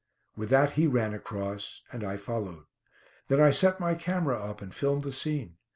With that he ran across, and I followed. Then I set my camera up and filmed the scene.